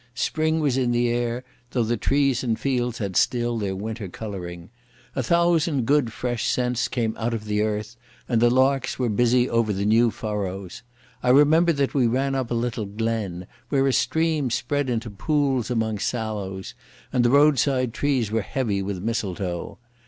Spring was in the air, though the trees and fields had still their winter colouring. A thousand good fresh scents came out of the earth, and the larks were busy over the new furrows. I remember that we ran up a little glen, where a stream spread into pools among sallows, and the roadside trees were heavy with mistletoe.